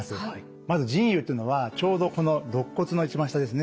まず腎兪というのはちょうどこのろっ骨の一番下ですね。